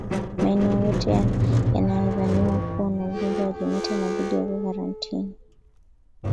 Maeneo yote yanayodhaniwa kuwa na ugonjwa wa kimeta inabidi yawekwe karantini